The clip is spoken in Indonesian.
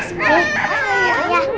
iya omah malem kesini